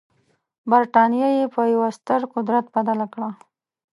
برټانیه یې په یوه ستر قدرت بدله کړه.